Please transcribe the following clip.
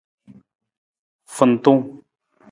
Fantung.